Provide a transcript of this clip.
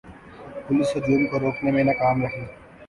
police ہجوم کو روکنے میں ناکام رہی